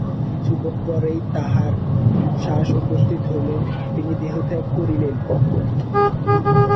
কিছুক্ষণ পরেই তাঁহার শ্বাস উপস্থিত হইল, তিনি দেহত্যাগ করিলেন।